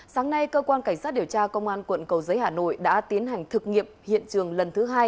sáng nay cơ quan cảnh sát điều tra công an quận cầu giấy hà nội đã tiến hành thực nghiệm hiện trường lần thứ hai